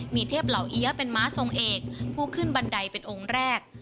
มีเทพเหล่าเอี๊ยเป็นม้าทรงเอกผู้ขึ้นบันไดเป็นองค์แรก